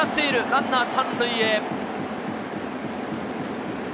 ランナー３塁へ。